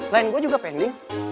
lain gue juga pending